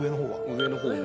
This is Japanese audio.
上の方ね。